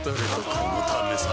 このためさ